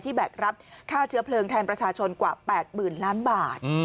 แบกรับค่าเชื้อเพลิงแทนประชาชนกว่า๘๐๐๐ล้านบาท